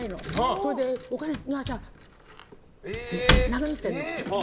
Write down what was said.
それで、お金がさなくなってるの。